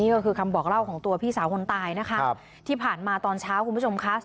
ก็คือคำบอกเล่าของตัวพี่สาวคนตายนะคะที่ผ่านมาตอนเช้าคุณผู้ชมค่ะ